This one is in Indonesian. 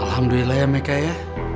alhamdulillah ya meka ya